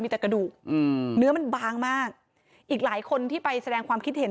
มีแต่กระดูกอืมเนื้อมันบางมากอีกหลายคนที่ไปแสดงความคิดเห็น